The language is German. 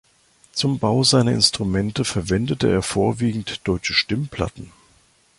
Zum Bau seiner Instrumente verwendete er vorwiegend deutsche Stimmplatten.